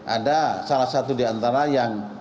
ada salah satu di antara yang